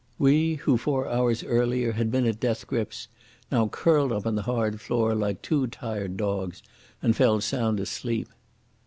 We, who four hours earlier had been at death grips, now curled up on the hard floor like two tired dogs, and fell sound asleep.